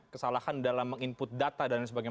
kesalahan dalam meng input data dan sebagainya